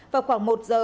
vào khoảng một giờ